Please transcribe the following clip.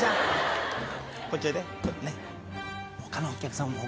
こっちおいで。